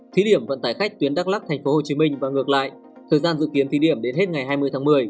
thời gian dự kiến thí điểm đến hết ngày hai mươi tháng một mươi